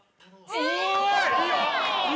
おい！